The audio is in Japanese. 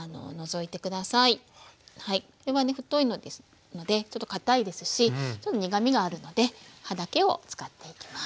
これはね太いのでちょっとかたいですしちょっと苦みがあるので葉だけを使っていきます。